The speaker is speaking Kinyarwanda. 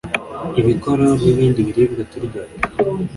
ibikoro n’ibindi biribwa turya .